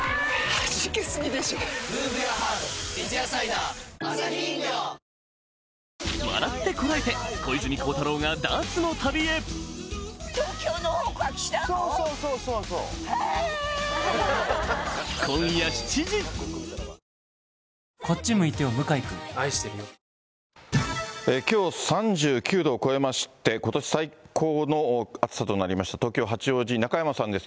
はじけすぎでしょ『三ツ矢サイダー』きょう３９度を超えまして、ことし最高の暑さとなりました東京・八王子、中山さんです。